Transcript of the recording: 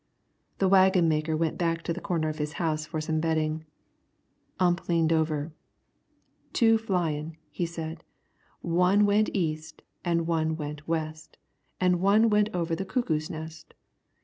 The waggon maker went back to the corner of his house for some bedding. Ump leaned over. "Two flyin'," he said. "One went east, an' one went west, an' one went over the cuckoo's nest.